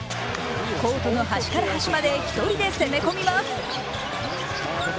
コートの端から端まで１人で攻め込みます。